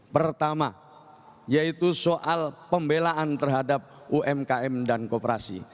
pertama yaitu soal pembelaan terhadap umkm dan kooperasi